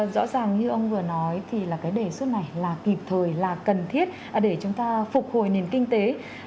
rõ ràng như ông vừa nói thì là cái đề xuất này là kịp thời là cần thiết để chúng ta phục hồi nền kinh tế